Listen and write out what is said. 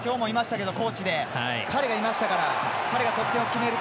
今日もいましたけど、コーチで彼がいましたから。